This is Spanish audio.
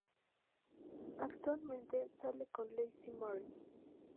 Actualmente sale con Lucy Moore.